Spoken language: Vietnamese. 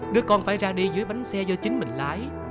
đứa con phải ra đi dưới bánh xe do chính mình lái